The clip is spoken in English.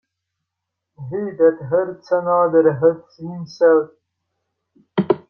He that hurts another, hurts himself.